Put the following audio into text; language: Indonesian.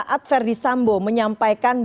surat verdi sambo ini akan menjadi aneh